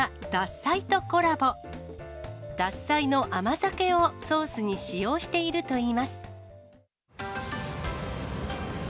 獺祭の甘酒をソースに使用しているといいます。